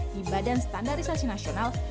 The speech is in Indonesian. di badan standarisasi nasional